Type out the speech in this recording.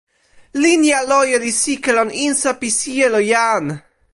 linja loje li sike lon insa pi sijelo jan.